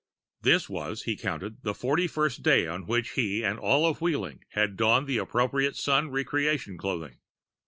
This was, he counted, the forty first day on which he and all of Wheeling had donned the appropriate Sun Re creation clothing.